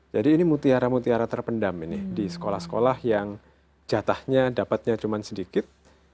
jadi ini mutiara mutiara terpendam di sekolah sekolah yang jatahnya dapatnya cuma sedikit